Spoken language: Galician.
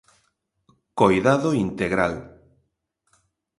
Coidado integral.